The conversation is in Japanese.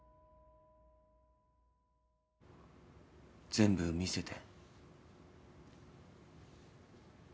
全部見せて。